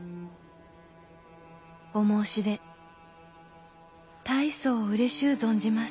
お申し出大層うれしゅう存じます。